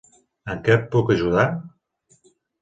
Amb què et puc ajudar?